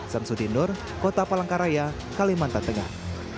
samsudinur kota palangkaraya kalimantan tengah